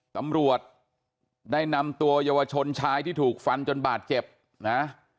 ตำรวจได้นำตัวเยาวชนชายที่ถูกฟันจนบาดเจ็บนะ